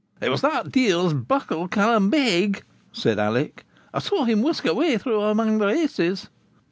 'It was that deevil's buckle, Callum Beg,' said Alick; 'I saw him whisk away through amang the reises.'